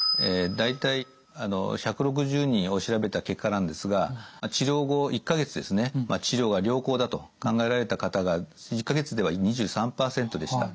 大体１６０人を調べた結果なんですが治療後１か月ですね治療が良好だと考えられた方が１か月では２３％でした。